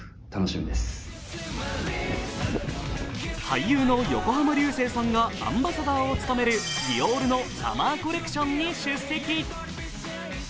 俳優の横浜流星さんがアンバサダーを務めるディオールのサマーコレクションに出席。